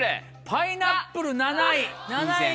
パイナップル７位！いい線。